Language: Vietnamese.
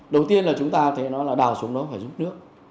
đầu tiên là chúng ta thấy nó là đào xuống đó phải giúp nước